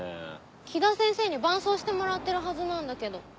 黄多先生に伴走してもらってるはずなんだけど。